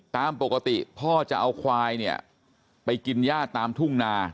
ตามปกติพ่อจะเอาควายเนี่ยไปกินย่าตามทุ่งนา